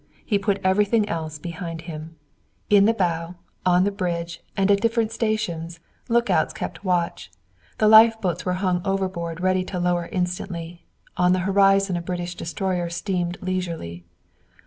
He put everything else behind him. He counted no cost. The little admiralty boat sped on. In the bow, on the bridge, and at different stations lookouts kept watch. The lifeboats were hung overboard, ready to lower instantly. On the horizon a British destroyer steamed leisurely.